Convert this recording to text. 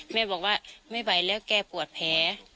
แม่บอกว่าไม่ไหวแล้วแกปวดแผล